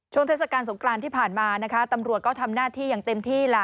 เทศกาลสงครานที่ผ่านมานะคะตำรวจก็ทำหน้าที่อย่างเต็มที่ล่ะ